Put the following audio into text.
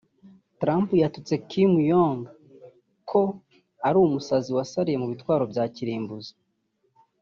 Trump yatutse Kim Jong ko ari umusazi wasariye mu bitwaro bya kirimbuzi